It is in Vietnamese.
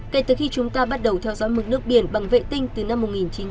kể từ khi chúng ta bắt đầu theo dõi mực nước biển bằng vệ tinh từ năm một nghìn chín trăm chín mươi